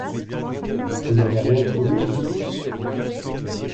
Vous n’avez rien trouvé, vous autres ?